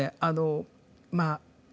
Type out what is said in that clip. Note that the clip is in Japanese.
あのまあ